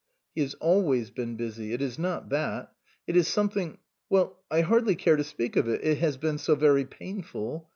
" He has always been busy. It is not that. It is something well, I hardly care to speak of it, it has been so very painful.